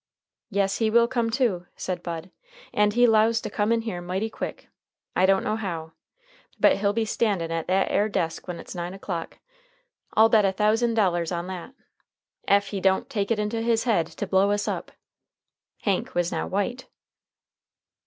"Yes, he will come, too," said Bud. "And he 'lows to come in here mighty quick. I don't know how. But he'll be a standin' at that air desk when it's nine o'clock. I'll bet a thousand dollars on that. Ef he don't take it into his head to blow us up!" Hank was now white.